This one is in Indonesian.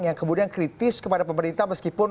yang kemudian kritis kepada pemerintah meskipun